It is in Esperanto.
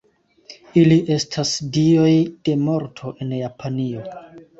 Ili estas dioj de morto en Japanio.